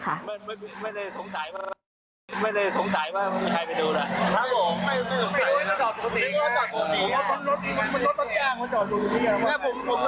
เขารอคนอะไรเงี้ยก็เลยไม่ได้เดินมาดู